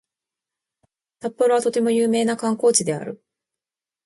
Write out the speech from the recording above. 札幌はとても有名な観光地である